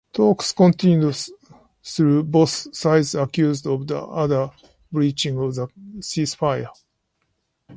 Talks continued, though both sides accused the other of breaching the ceasefire.